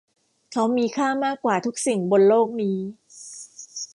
เขามีค่ามากกว่าทุกสิ่งบนโลกนี้